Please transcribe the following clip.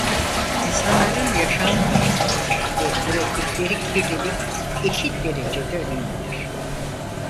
İnsanların yaşam tarzları ve ürettikleri kirlilik eşit derecede önemlidir.